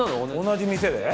同じ店で？